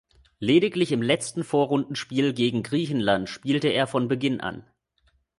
Lediglich im letzten Vorrundenspiel gegen Griechenland spielte er von Beginn an.